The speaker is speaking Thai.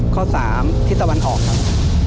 ข้อ๓ทิศตะวันออกครับ